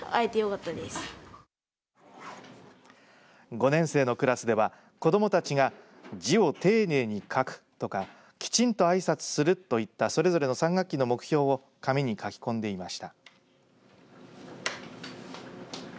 ５年生のクラスでは子どもたちが字を丁寧に書くとかきちんとあいさつするといったそれぞれの３学期の目標を紙に書き込んでいました。